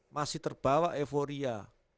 masih terbawa euforia